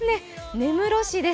根室市です。